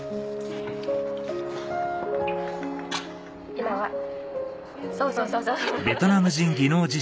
今はそうそうそうそう。